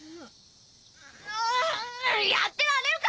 やってられるか！